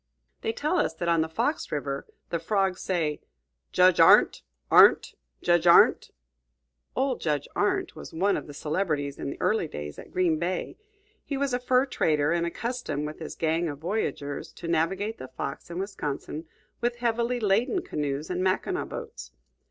They tell us that on the Fox River the frogs say, "Judge Arndt! Arndt! Judge Arndt!" Old Judge Arndt was one of the celebrities in the early day at Green Bay; he was a fur trader, and accustomed, with his gang of voyageurs, to navigate the Fox and Wisconsin with heavily laden canoes and Mackinaw boats.